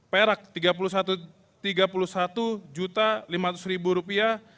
perak tiga puluh satu lima ratus rupiah